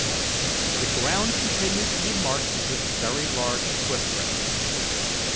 The ground continued to be marked with very large footprints.